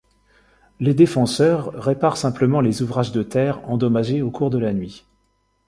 Les défenseurs réparent simplement les ouvrages de terre endommagés au cours de la nuit.